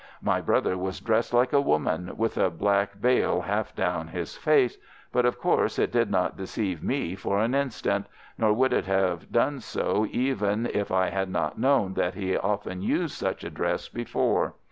My brother was dressed like a woman, with a black veil half down his face, but of course it did not deceive me for an instant, nor would it have done so even if I had not known that he had often used such a dress before.